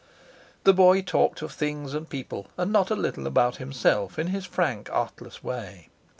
The boy talked of things and people, and not a little about himself, in his frank artless way.